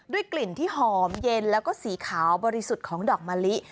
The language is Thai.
กลิ่นที่หอมเย็นแล้วก็สีขาวบริสุทธิ์ของดอกมะลิ